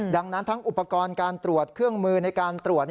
ดังนั้นทั้งอุปกรณ์การตรวจเครื่องมือในการตรวจ